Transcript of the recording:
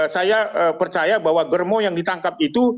saya percaya bahwa germo yang ditangkap itu